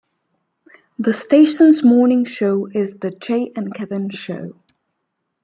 The station's morning show is "The Jay and Kevin Show".